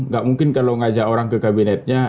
gak mungkin kalau ngajak orang ke kabinetnya